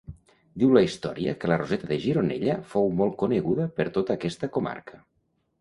Diu la història que la Roseta de Gironella fou molt coneguda per tota aquesta comarca.